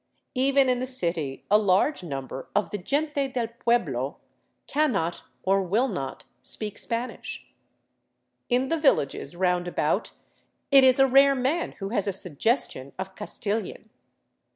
Even in the city a large number of the " gente del pueblo " cannot, or will not, speak Spanish ; in the villages round about it is a rare man who has a suggestion of Cas tilian.